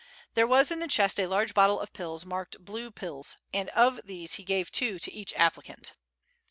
There was in the chest a large bottle of pills marked "blue pills," and of these he gave two to each applicant.